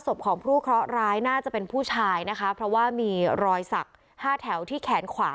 ศพของผู้เคราะห์ร้ายน่าจะเป็นผู้ชายนะคะเพราะว่ามีรอยสักห้าแถวที่แขนขวา